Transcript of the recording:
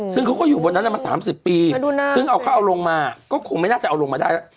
ซึ่งเขาก็อยู่บนนั้นมา๓๐ปีซึ่งเอาเขาเอาลงมาก็คงไม่น่าจะเอาลงมาได้แล้ว